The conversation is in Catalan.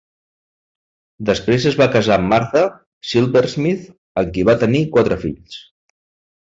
Després es va casar amb Martha Silversmith, amb qui va tenir quatre fills.